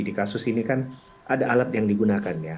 di kasus ini kan ada alat yang digunakan ya